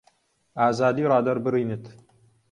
ئازادی ڕادەربڕینت